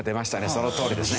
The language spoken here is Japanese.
そのとおりですね。